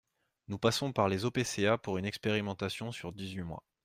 Nous passons par les OPCA pour une expérimentation sur dix-huit mois.